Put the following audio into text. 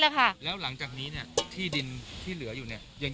แล้วหลังจากนี้เนี่ยที่ดินที่เหลือเนี่ย